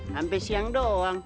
sampai siang doang